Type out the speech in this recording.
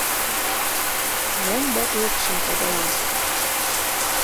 Ломбо укшым тодылам.